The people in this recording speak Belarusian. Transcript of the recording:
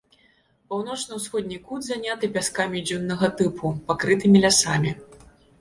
Паўночна-ўсходні кут заняты пяскамі дзюннага тыпу, пакрытымі лясамі.